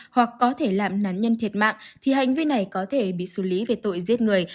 hoặc có thể làm nạn nhân thiệt mạng thì hành vi này có thể bị xử lý về tội giết người